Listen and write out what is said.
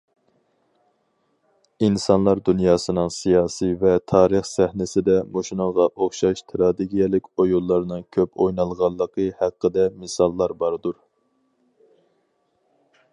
ئىنسانلار دۇنياسىنىڭ سىياسىي ۋە تارىخ سەھنىسىدە مۇشۇنىڭغا ئوخشاش تىراگېدىيەلىك ئويۇنلارنىڭ كۆپ ئوينالغانلىقى ھەققىدە مىساللار باردۇر.